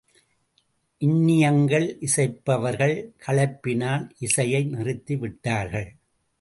இன்னியங்கள் இசைப்பவர்கள் களைப்பினால் இசையை நிறுத்தி விட்டார்கள்.